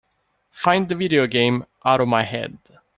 Find the video game Out of My Head